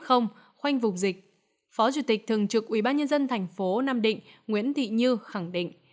khoanh vùng dịch phó chủ tịch thường trực ubnd tp nam định nguyễn thị như khẳng định